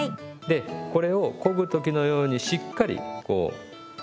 でこれをこぐ時のようにしっかりこう円を描くんですね。